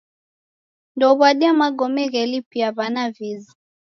Ndouw'adie magome ghelipia w'ana fizi.